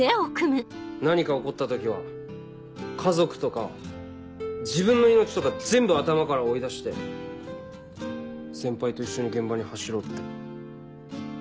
何か起こった時は家族とか自分の命とか全部頭から追い出して先輩と一緒に現場に走ろうって。